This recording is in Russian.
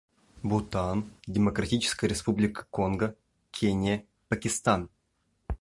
Бутан, Демократическая Республика Конго, Кения, Пакистан.